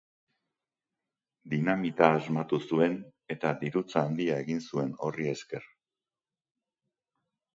Dinamita asmatu zuen, eta dirutza handia egin zuen horri esker.